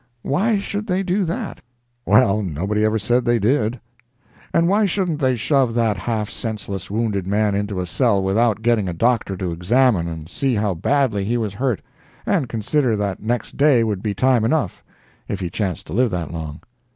Why should they do that? Well, nobody ever said they did. And why shouldn't they shove that half senseless wounded man into a cell without getting a doctor to examine and see how badly he was hurt, and consider that next day would be time enough, if he chanced to live that long?